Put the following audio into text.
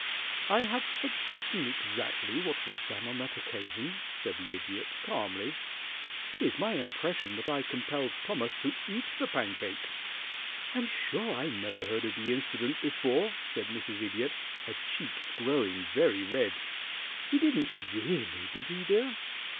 "I have forgotten exactly what was done on that occasion," said the Idiot, calmly. "It is my impression that I compelled Thomas to eat the pancake." "I am sure I never heard of the incident before," said Mrs. Idiot, her cheeks growing very red. "He didn't really, did he, dear?"